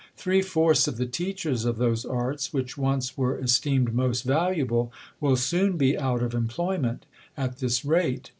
Three fourths of the teachers of those arts, which once were esteemed most valuable, will soon be out of employment, at tliis rate.